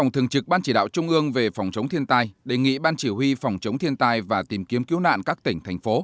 thường trực ban chỉ đạo trung ương về phòng chống thiên tai đề nghị ban chỉ huy phòng chống thiên tai và tìm kiếm cứu nạn các tỉnh thành phố